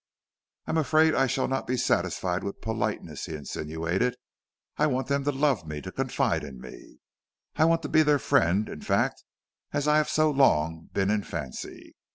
"I am afraid I shall not be satisfied with politeness," he insinuated. "I want them to love me, to confide in me. I want to be their friend in fact as I have so long been in fancy."